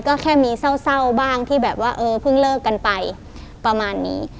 ก็แค่มีเศร้าบ้างที่แบบว่าเออเพิ่งเลิกกันไปประมาณนี้